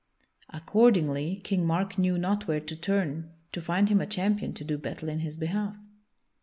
Accordingly, King Mark knew not where to turn to find him a champion to do battle in his behalf.